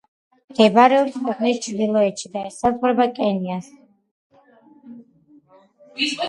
მდებარეობს ქვეყნის ჩრდილოეთში და ესაზღვრება კენიას.